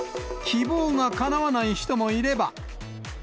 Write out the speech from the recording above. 希望がかなわない人もいれば。